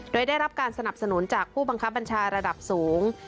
โดยได้รับการสนับสนุนจากผู้บังคับบัญชาระดับสูง